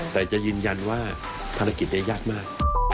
แต่จะยืนยันว่าภารกิจนี้ยากมาก